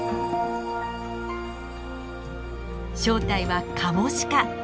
正体はカモシカ。